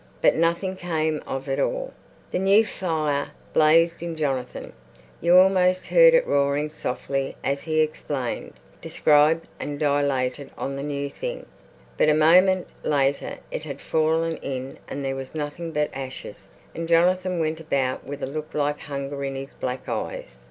But nothing came of it all. The new fire blazed in Jonathan; you almost heard it roaring softly as he explained, described and dilated on the new thing; but a moment later it had fallen in and there was nothing but ashes, and Jonathan went about with a look like hunger in his black eyes.